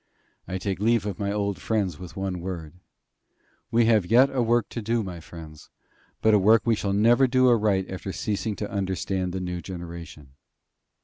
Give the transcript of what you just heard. I take leave of my old friends with one word: We have yet a work to do, my friends; but a work we shall never do aright after ceasing to understand the new generation.